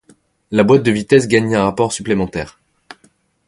La boîte de vitesses gagne un rapport supplémentaire.